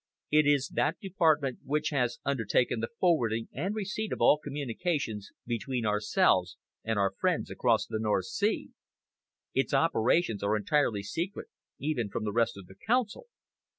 It is that department which has undertaken the forwarding and receipt of all communications between ourselves and our friends across the North Sea. Its operations are entirely secret, even from the rest of the Council.